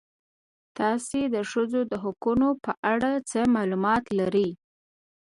تاسې د ښځو د حقونو په اړه څه معلومات لرئ؟